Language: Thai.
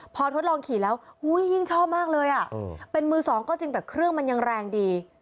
พอทดลองขี่แล้วอุ้ยยิ่งชอบมากเลยอ่ะเป็นมือสองก็จริงแต่เครื่องมันยังแรงดี